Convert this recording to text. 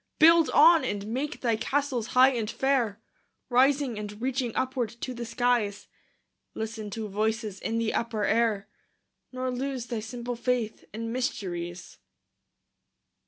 Build on, and make thy castles high and fair, Rising and reaching upward to the skies; Listen to voices in the upper air, Nor lose thy simple faith in mysteries.